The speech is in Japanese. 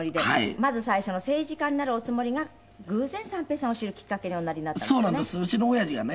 まず最初の政治家になるおつもりが偶然三平さんを知るきっかけにおなりになったんですよね？